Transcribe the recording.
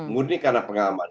murni karena pengalaman